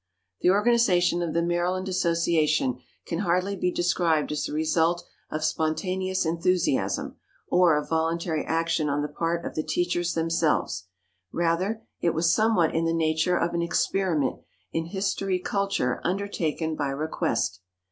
The organization of the Maryland Association can hardly be described as the result of spontaneous enthusiasm or of voluntary action on the part of the teachers themselves; rather, it was somewhat in the nature of an experiment in historiculture undertaken by request.